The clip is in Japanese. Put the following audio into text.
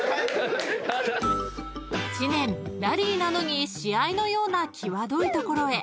［知念ラリーなのに試合のような際どい所へ］